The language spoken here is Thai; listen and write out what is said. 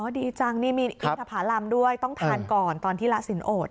ดีจังนี่มีอินทภารำด้วยต้องทานก่อนตอนที่ละสินโอด